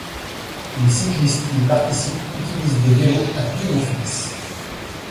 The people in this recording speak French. Les cyclistes qui y participent utilisent des vélos à pignon fixe.